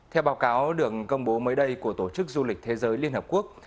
theo báo cáo được công bố mới đây của tổ chức du lịch thế giới liên hợp quốc